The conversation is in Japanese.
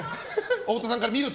太田さんから見ると？